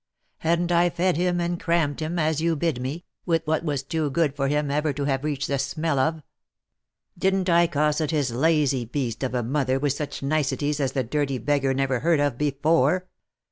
Hadn't I fed him, and crammed him, as you bid me, with what was too good for him ever to have reached the smell of? Didn't I cosset his lazy beast of a mother with such niceties as the dirty beggar never heard of before